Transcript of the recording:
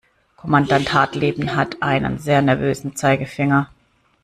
Kommandant Hartleben hat einen sehr nervösen Zeigefinger.